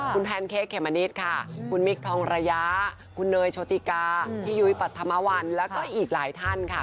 คุณแพนเค้กเขมมะนิดค่ะคุณมิคทองระยะคุณเนยโชติกาพี่ยุ้ยปรัฐมวัลแล้วก็อีกหลายท่านค่ะ